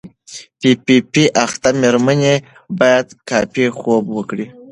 پی پي پي اخته مېرمنې باید کافي خوب وکړي.